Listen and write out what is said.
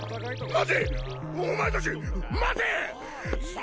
待て！